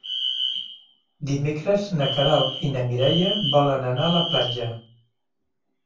Dimecres na Queralt i na Mireia volen anar a la platja.